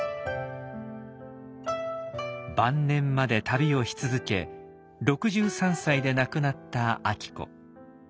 晩年まで旅をし続け６３歳で亡くなった晶子。